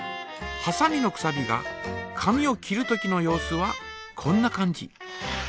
はさみのくさびが紙を切るときの様子はこんな感じ。